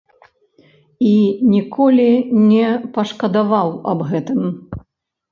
І ніколі не пашкадаваў аб гэтым.